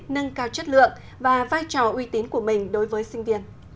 nâng cao chất lượng và vai trò uy tín của mình đối với sinh viên